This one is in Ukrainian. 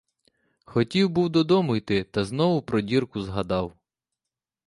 Хотів був додому йти, та знову про дірку згадав.